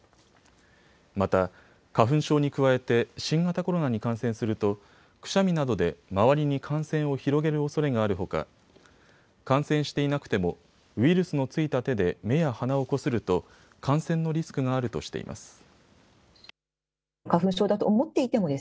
また、花粉症に加えて新型コロナに感染するとくしゃみなどで周りに感染を広げるおそれがあるほか感染していなくてもウイルスの付いた手で目や鼻をこすると感染のリスクがあるとしています。